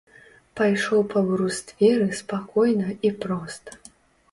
Пайшоў па брустверы спакойна і проста.